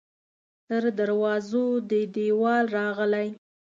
تر دروازو دې دیوال راغلی